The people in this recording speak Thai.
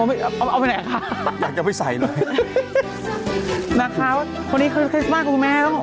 เอาเอาไปไหนคะอยากจะไปใส่เลยนะคะคนนี้เขาคริสต์มาสคุณแม่แล้วผม